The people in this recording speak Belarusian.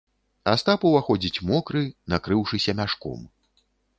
Астап уваходзіць мокры, накрыўшыся мяшком.